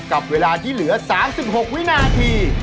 กับเวลาที่เหลือ๓๖วินาที